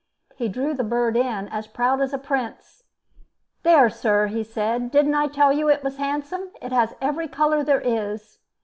He drew the bird in, as proud as a prince. "There, sir!" he said; "didn't I tell you it was handsome? It has every color there is."